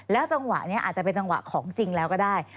จังหวะนี้อาจจะเป็นจังหวะของจริงแล้วก็ได้